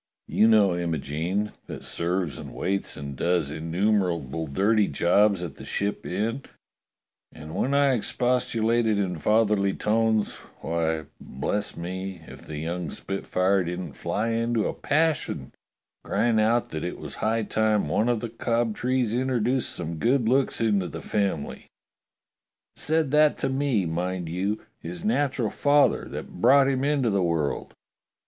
You know Imogene, that serves and waits and does innu merable dirty jobs at the Ship Inn; and when I expostu lated in fatherly tones, why, bless me, if the young spitfire didn't fly into a passion, crying out that it was high time one of the Cobtrees introduced some good looks into the family. Said that to me, mind you — his natural father that brought him into the world.